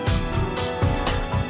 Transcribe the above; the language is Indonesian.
taruh di depan